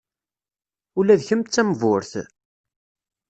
Ula d kemm d tamburt?